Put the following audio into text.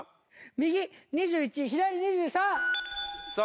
右２１左２３！さあ。